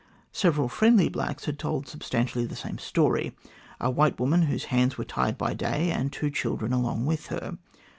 Several friendly blacks had told sub stantially the same story a white woman whose hands were tied by day, and two children along with her.